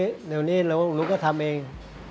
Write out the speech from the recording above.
เดี๋ยวนี้หนูก็ทำเอง